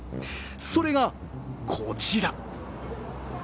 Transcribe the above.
それがこちら。